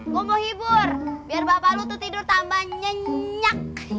gue mau hibur biar bapak lutut tidur tambah nyenyak